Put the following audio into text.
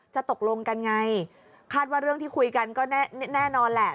ตกลงกันไงคาดว่าเรื่องที่คุยกันก็แน่นอนแหละ